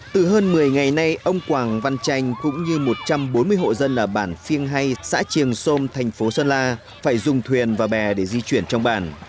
từ hơn một mươi ngày nay ông quảng văn tranh cũng như một trăm bốn mươi hộ dân ở bản phiêng hay xã triềng sôm thành phố sơn la phải dùng thuyền và bè để di chuyển trong bản